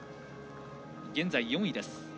現在、４位です。